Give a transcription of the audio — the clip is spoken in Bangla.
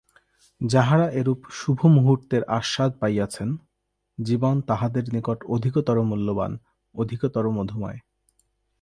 যাঁহারা এরূপ শুভমুহূর্তের আস্বাদ পাইয়াছেন, জীবন তাঁহাদের নিকট অধিকতর মূল্যবান্, অধিকতর মধুময়।